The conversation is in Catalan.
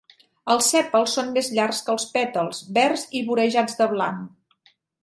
Els sèpals són més llargs que els pètals, verds i vorejats de blanc.